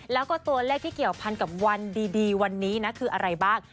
แล้วก็ตัวเลขที่เกี่ยวพันกับวันดีวันนี้นะคืออะไรบ้าง